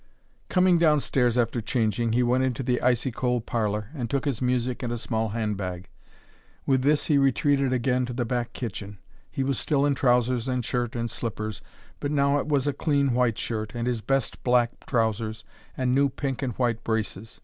Coming downstairs after changing he went into the icy cold parlour, and took his music and a small handbag. With this he retreated again to the back kitchen. He was still in trousers and shirt and slippers: but now it was a clean white shirt, and his best black trousers, and new pink and white braces.